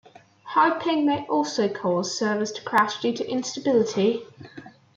High ping may also cause servers to crash due to instability.